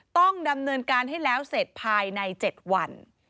ต้องดำเนินการให้แล้วเสร็จภายใน๗วัน